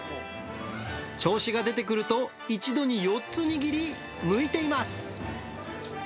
調子が出てくると一度に４つ握り、むいています。